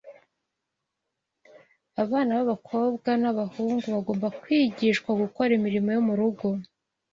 abana b’abakobwa n’abahungu bagomba kwigishwa gukora imirimo yo mu rugo